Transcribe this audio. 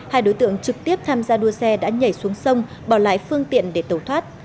hai đối tượng trực tiếp tham gia đua xe đã nhảy xuống sông bỏ lại phương tiện để tẩu thoát